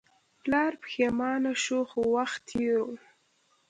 پلار پښیمانه شو خو وخت تیر و.